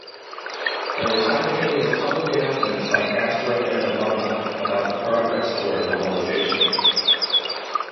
There were simultaneous public announcements by Castro and Obama about the progress toward normalization.